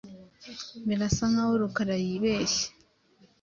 Birasa nkaho Rukara yibeshye.